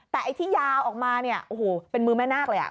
แต่ไอ้ที่ยาวออกมาเนี่ยโอ้โหเป็นมือแม่นาคเลยอ่ะ